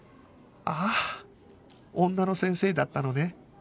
ああ女の先生だったのね